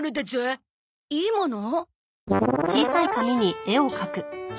いいもの？